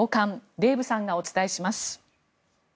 デーブさんがお伝えします。